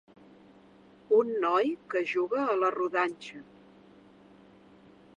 Un noi que juga a la rodanxa.